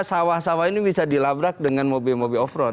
sawah sawah ini bisa dilabrak dengan mobil mobil off road